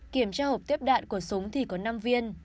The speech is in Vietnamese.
kiểm tra hộp tiếp đạn của súng thì có năm viên